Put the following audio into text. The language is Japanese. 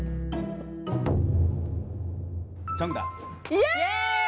イエーイ！